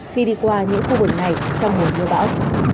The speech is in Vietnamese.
khi đi qua những khu vực này trong mùa mưa bão